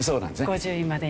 ５０位までに。